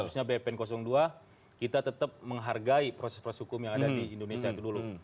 khususnya bpn dua kita tetap menghargai proses proses hukum yang ada di indonesia itu dulu